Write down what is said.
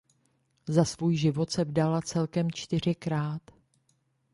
Za svůj život se vdala celkem čtyřikrát.